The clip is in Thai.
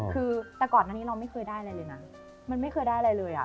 คือแต่ก่อนอันนี้เราไม่เคยได้อะไรเลยนะมันไม่เคยได้อะไรเลยอ่ะ